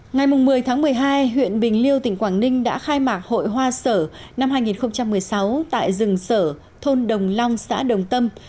ngày một mươi tháng một mươi hai huyện bình liêu tỉnh quảng ninh đã khai mạc hội hoa sở năm hai nghìn một mươi sáu tại rừng sở thôn đồng long xã đồng tâm